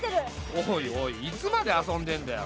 おいおいいつまで遊んでんだよ。